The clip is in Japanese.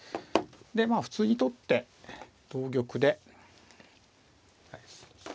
でまあ普通に取って同玉で。